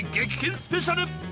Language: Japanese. スペシャル。